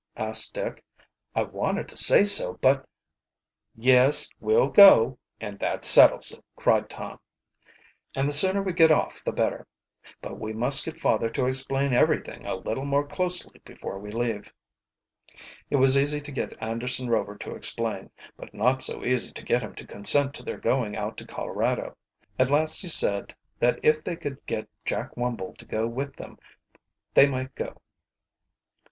asked Dick. "I wanted to say so, but " "Yes, we'll go, and that settles it," cried Tom. "And the sooner we get off the better. But we must get father to explain everything a little more closely before we leave." It was easy to get Anderson Rover to explain, but not so easy to get him to consent to their going out to Colorado. At last he said that if they could get Jack Wumble to go with them they might go.